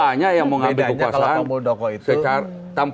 banyak yang mau ambil kekuasaan